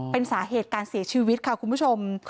เป็นสาเหตุการเสียชีวิตค่ะคุณผู้ชม